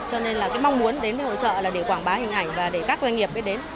cho nên là cái mong muốn đến với hội trợ là để quảng bá hình ảnh và để các doanh nghiệp biết đến